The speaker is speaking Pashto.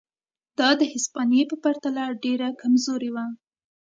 دا د هسپانیې په پرتله ډېره کمزورې وه.